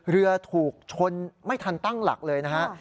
เรือถูกชนไม่ทันตั้งหลักเลยนะฮะ